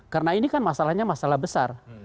karena ini kan masalahnya masalah besar